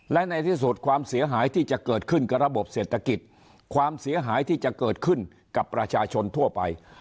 และในที่สุดความเสียหายที่จะเกิดขึ้นกับระบบเศรษฐกิจความเสียหายที่จะเกิดขึ้นกับประชาชนทั่วไป